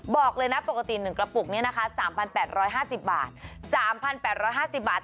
บอกเลยนะปกติกระปุกนี้นะคะ๓๘๕๐บาท